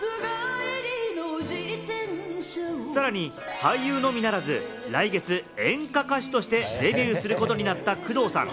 さらに俳優のみならず、来月、演歌歌手としてデビューすることになった工藤さん。